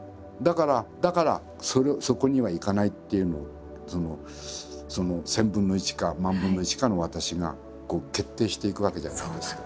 だからそこにはいかないっていうのを千分の一か万分の一かの私が決定していくわけじゃないですか。